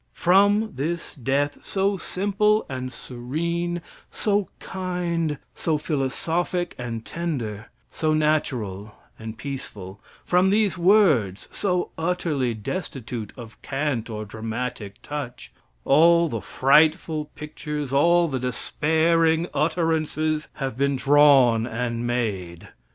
From this death, so simple and serene, so kind, so philosophic and tender; so natural and peaceful; from these words so utterly destitute of cant or dramatic touch, all the frightful pictures, all the despairing utterances have been drawn and made.